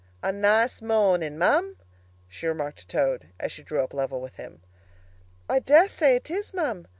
"A nice morning, ma'am!" she remarked to Toad, as she drew up level with him. "I dare say it is, ma'am!"